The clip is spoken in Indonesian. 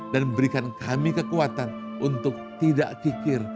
dan berikan kami kekuatan untuk tidak kikir